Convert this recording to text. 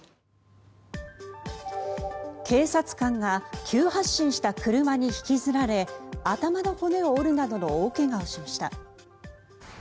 警察官が急発進した車に引きずられ頭の骨を折るなどの大怪我をしました。